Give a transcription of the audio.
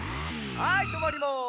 はいとまります。